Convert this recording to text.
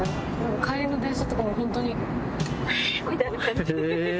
帰りの電車とかもホントに「はぁー」みたいな感じで。